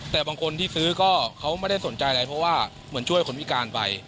แต่บางคนที่ซื้อก็เขาไม่ได้สนใจอะไรเพราะว่าเหมือนช่วยคนพิการไป